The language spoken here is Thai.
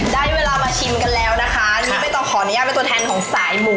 ได้เวลามาชิมกันแล้วนะคะนี่ไม่ต้องขออนุญาตเป็นตัวแทนของสายหมู